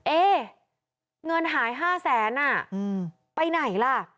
เอ๊เงินหาย๕แสนไปไหนล่ะ